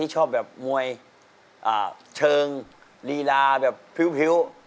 ที่ชอบแบบมวยเชิงฬีราแบบพิ้ว